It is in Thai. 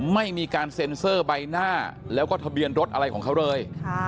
ไม่มีการเซ็นเซอร์ใบหน้าแล้วก็ทะเบียนรถอะไรของเขาเลย